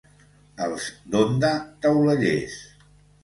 Els d'Onda, taulellers.